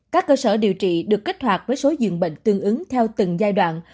các cơ sở điều trị được kích hoạt với số dường bệnh tương ứng theo từng giai đoạn